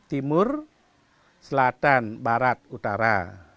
timur selatan barat utara